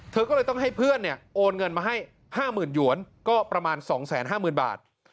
เธอก็เลยต้องให้เพื่อนโอนเงินมาให้๕๐๐๐หยวนก็ประมาณ๒๕๐๐๐บาท